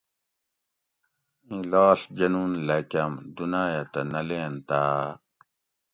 اِیں لاڷ جنون لھکۤم دُنایہ تہ نہ لینتاۤ